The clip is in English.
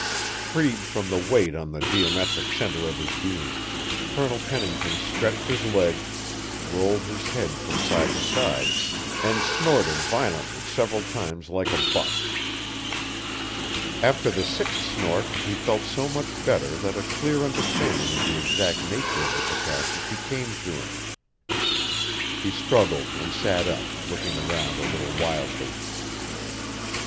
Freed from the weight on the geometric centre of his being, Colonel Pennington stretched his legs, rolled his head from side to side, and snorted violently several times like a buck. After the sixth snort he felt so much better that a clear understanding of the exact nature of the catastrophe came to him; he struggled and sat up, looking around a little wildly.